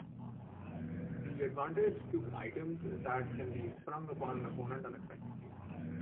The advantage to Items is that can be sprung upon an opponent unexpectedly.